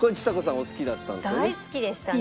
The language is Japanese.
大好きでしたね。